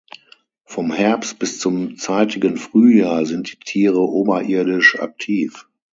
Vom Herbst bis zum zeitigen Frühjahr sind die Tiere oberirdisch aktiv.